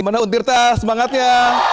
mana untirta semangatnya